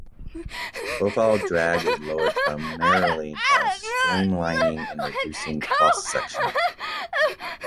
Profile drag is lowered primarily by streamlining and reducing cross section.